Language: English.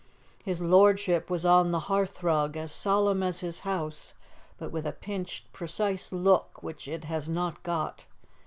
His lordship was on the hearthrug, as solemn as his house, but with a pinched, precise look which it has not got.